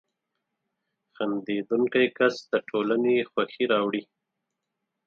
• خندېدونکی کس د ټولنې خوښي راوړي.